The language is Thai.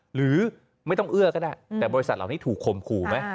หรือไม่ต้องเอื้อก็ได้แต่บริษัทเหล่านี้ถูกข่มขู่ไหม